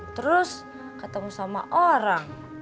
terus ketemu sama orang